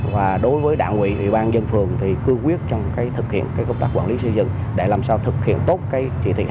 và đối với đảng ủy ủy ban nhân phường thì cư quyết trong thực hiện công tác quản lý